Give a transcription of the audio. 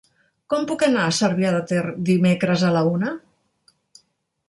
Com puc anar a Cervià de Ter dimecres a la una?